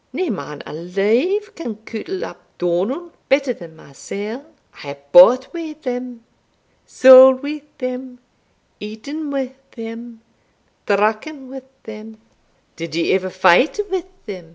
Nae man alive can cuitle up Donald better than mysell I hae bought wi' them, sauld wi' them, eaten wi' them, drucken wi' them" "Did ye ever fight wi' them?"